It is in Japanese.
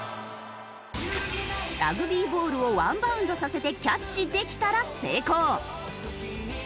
ラグビーボールをワンバウンドさせてキャッチできたら成功。